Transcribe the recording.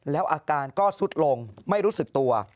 แล้วอาการก็สุดลงไม่รู้สึกตัว